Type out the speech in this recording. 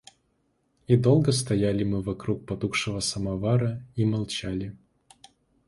И долго стояли мы вокруг потухшего самовара и молчали.